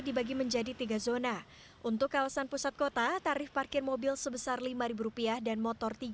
dibagi menjadi tiga zona untuk kawasan pusat kota tarif parkir mobil sebesar lima rupiah dan motor